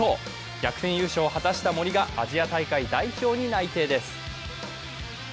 逆転優勝を果たした森がアジア大会代表に内定です。